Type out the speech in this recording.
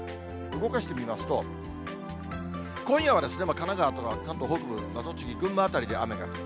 動かしてみますと、今夜は神奈川とか、関東北部、栃木、群馬辺りで雨が降る。